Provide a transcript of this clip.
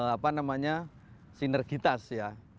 apa namanya sinergitas ya